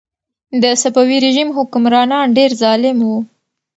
د صفوي رژیم حکمرانان ډېر ظالم وو.